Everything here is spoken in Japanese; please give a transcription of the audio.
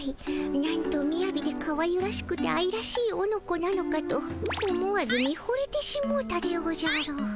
なんとみやびでかわゆらしくてあいらしいおのこなのかと思わず見ほれてしもうたでおじゃる。